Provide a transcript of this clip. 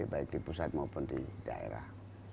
baik di pusat maupun di daerah